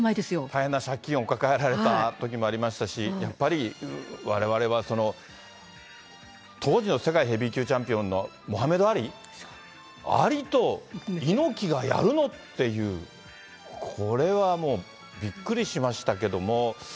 大変な借金を抱えられたときもありましたし、やっぱりわれわれは当時の世界ヘビー級チャンピオンのモハメド・アリ、アリと猪木がやるの？っていう、これはもう、びっくりしましたけども。